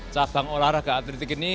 cabang olahraga atletik ini